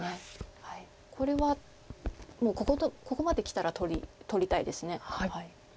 これはもうここまできたら取りたいです。